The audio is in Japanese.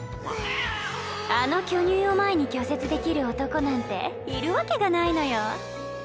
あの巨乳を前に拒絶できる男なんているわけがないのよ。